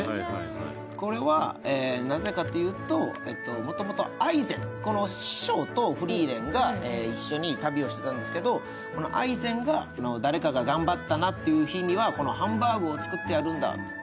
これはなぜかというともともとアイゼン、この師匠とフリーレンが一緒に旅をしていたんですけど、このアイゼンが誰かが頑張ったなという日にこのハンバーグを作ってあげるんだって。